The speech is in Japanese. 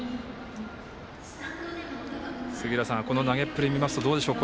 杉浦さん、この投げっぷり見ますとどうでしょうか。